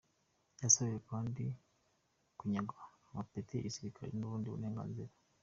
Yasabiwe kandi kunyagwa amapeti ya gisirikare n’ubundi burenganzira.